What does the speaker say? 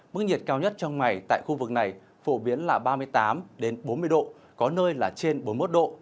mức nhiệt cao nhất trong ngày tại khu vực này phổ biến là ba mươi tám bốn mươi độ có nơi là trên bốn mươi một độ